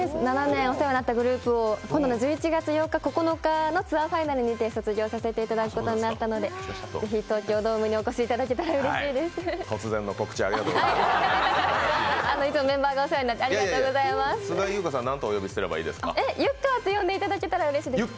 ７年お世話になったグループを、１１月８日、９日のツアーファイナルにて卒業させていただくことになったのでぜひ東京ドームにお越しいただけたらうれしいです。